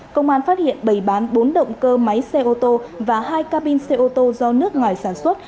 công an phát hiện bày bán bốn động cơ máy xe ô tô và hai cabin xe ô tô do nước ngoài sản xuất